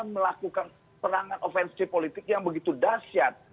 melakukan perangan offensive politik yang begitu dasyat